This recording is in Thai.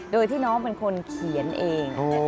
โดยที่น้องเป็นคนเขียนเอง